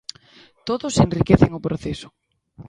Todos enriquecen o proceso.